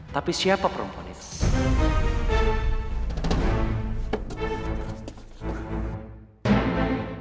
tapi siapa perempuan itu